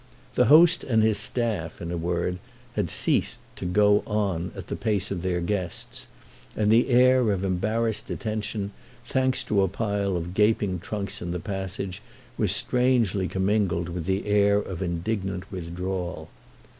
The host and his staff, in a word, had ceased to "go on" at the pace of their guests, and the air of embarrassed detention, thanks to a pile of gaping trunks in the passage, was strangely commingled with the air of indignant withdrawal.